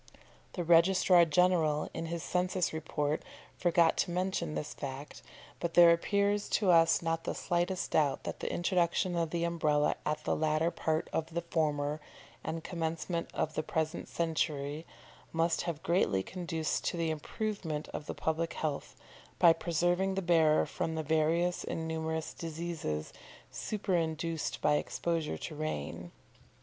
The Registrar General, in his census report, forgot to mention this fact, but there appears to us not the slightest doubt that the introduction of the Umbrella at the latter part of the former, and commencement of the present century, must have greatly conduced to the improvement of the public health, by preserving the bearer from the various and numerous diseases superinduced by exposure to rain.